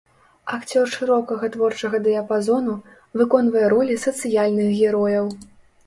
Акцёр шырокага творчага дыяпазону, выконвае ролі сацыяльных герояў.